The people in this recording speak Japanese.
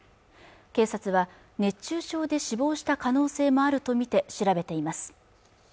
警察は熱中症で死亡した可能性もあるとみて調べています